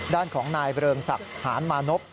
ด้านของนายเริงศักดิ์หานมานพ